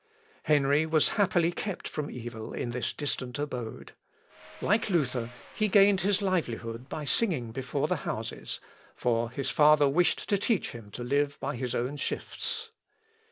Henry was happily kept from evil in this distant abode. Like Luther, he gained his livelihood by singing before the houses, for his father wished to teach him to live by his own shifts.